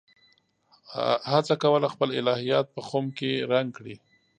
هڅه کوله خپل الهیات په خُم کې رنګ کړي.